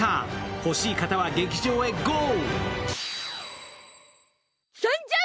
欲しい方は劇場へゴー。